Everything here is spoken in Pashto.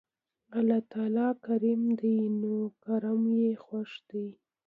الله تعالی کريم دی نو کرَم ئي خوښ دی